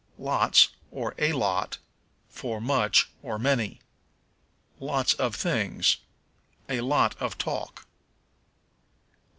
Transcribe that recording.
Lots, or a Lot, for Much, or Many. "Lots of things." "A lot of talk."